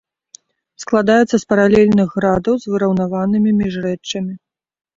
Складаецца з паралельных градаў з выраўнаванымі міжрэччамі.